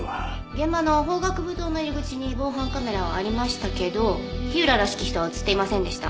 現場の法学部棟の入り口に防犯カメラはありましたけど火浦らしき人は映っていませんでした。